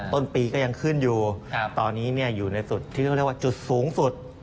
ต้นปีก็ยังขึ้นอยู่ตอนนี้อยู่ในสุดที่เขาเรียกว่าจุดสูงสุด